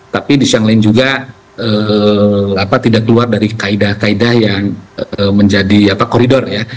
tapi di sisi yang lain juga tidak keluar dari kaedah kaedah yang menjadi koridor ya